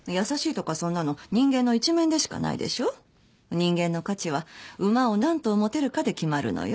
人間の価値は馬を何頭持てるかで決まるのよ。